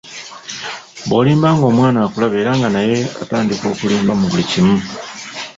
Bwolimba ng'omwana akulaba era naye ng'atandika kulimba mu buli kimu.